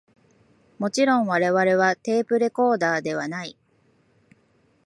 もちろん我々はテープレコーダーではない